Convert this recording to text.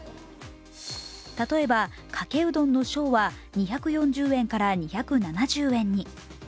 例えば、かけうどんの小は２４０円から２７０円に。